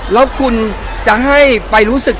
แล้วคุณจะให้ไปรู้สึก